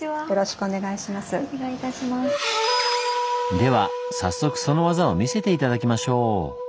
では早速その技を見せて頂きましょう！